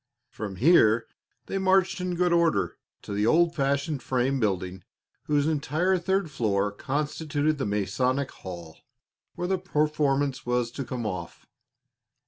From here they marched in good order to the old fashioned frame building, whose entire third floor constituted the masonic hall, where the performance was to come off.